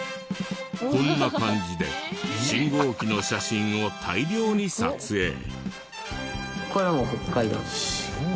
こんな感じで信号機の写真を大量に撮影。